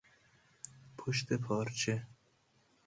پشت پارچه